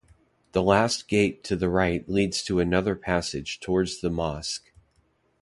The last gate to the right leads to another passage towards the mosque.